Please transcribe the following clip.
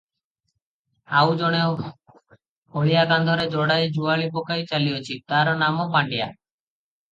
ଆଉ ଜଣେ ହଳିଆ କାନ୍ଧରେ ଯୋଡ଼ାଏ ଯୁଆଳି ପକାଇ ଚାଲିଅଛି, ତାହାର ନାମ ପାଣ୍ତିଆ ।